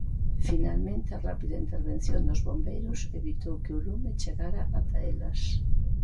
Finalmente a rápida intervención dos bombeiros evitou que o lume chegara ata elas.